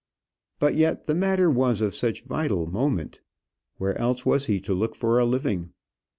But yet the matter was of such vital moment. Where else was he to look for a living?